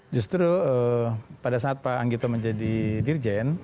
justru pada saat pak anggito menjadi dirjen